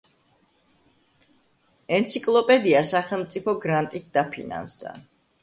ენციკლოპედია სახელმწიფო გრანტით დაფინანსდა.